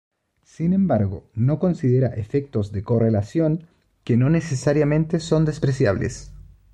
Sin embargo, no considera efectos de correlación que no necesariamente son despreciables.